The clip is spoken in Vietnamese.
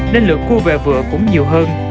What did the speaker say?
nên lượng cua về vựa cũng nhiều hơn